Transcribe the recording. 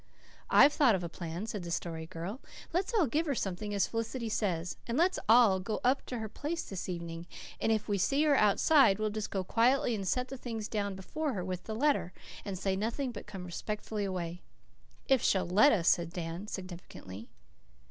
"I've thought of a plan," said the Story Girl. "Let's all give her something, as Felicity says. And let us all go up to her place this evening, and if we see her outside we'll just go quietly and set the things down before her with the letter, and say nothing but come respectfully away." "If she'll let us," said Dan significantly.